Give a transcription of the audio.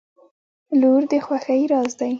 • لور د خوښۍ راز دی.